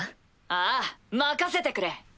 ああ任せてくれ。